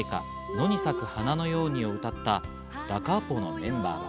『野に咲く花のように』を歌ったダ・カーポのメンバーは。